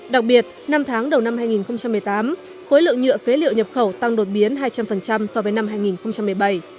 đặc biệt năm tháng đầu năm hai nghìn một mươi tám khối lượng nhựa phế liệu nhập khẩu tăng đột biến hai trăm linh so với năm